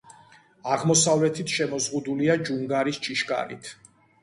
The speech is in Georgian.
აღმოსავლეთით შემოზღუდულია ჯუნგარის ჭიშკრით.